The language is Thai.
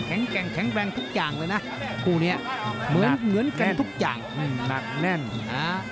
แข็งแกร่งแข็งแรงทุกอย่างเลยนะคู่เนี้ยเหมือนเหมือนกันทุกอย่างหนักแน่นอ่า